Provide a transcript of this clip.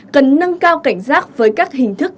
cần nâng cao cảnh giác với các hình thức